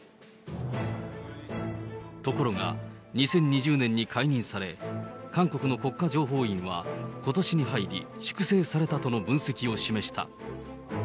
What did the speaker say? ところが、２０２０年に解任され、韓国の国家情報院は、ことしに入り、粛清されたとの分析を示した。